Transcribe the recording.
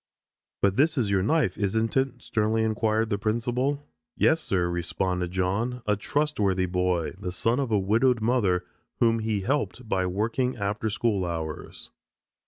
"But this is your knife, isn't it?" sternly inquired the principal. "Yes, sir," responded John, a trustworthy boy, the son of a widowed mother whom he helped by working after school hours.